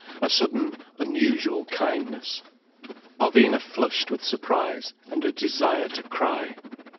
A sudden unusual kindness. Alvina flushed with surprise and a desire to cry.